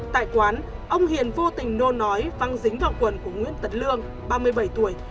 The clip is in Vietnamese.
tại quán ông hiền vô tình nô nói văng dính vào quần của nguyễn tật lương ba mươi bảy tuổi